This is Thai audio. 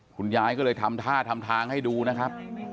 คุณยายก็เลยทำท่าทำทางให้ดูนะครับ